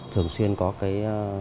thường xuyên có cái